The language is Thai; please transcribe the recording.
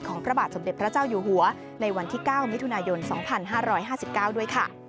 พระบาทสมเด็จพระเจ้าอยู่หัวในวันที่๙มิถุนายน๒๕๕๙ด้วยค่ะ